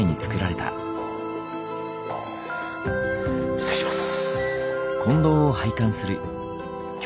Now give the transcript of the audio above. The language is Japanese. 失礼します。